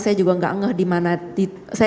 saya juga enggak engeh di mana saya